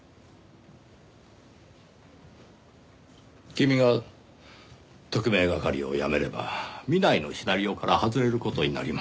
君が特命係を辞めれば南井のシナリオから外れる事になります。